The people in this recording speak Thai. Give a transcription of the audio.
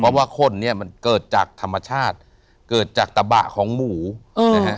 เพราะว่าข้นเนี่ยมันเกิดจากธรรมชาติเกิดจากตะบะของหมูนะฮะ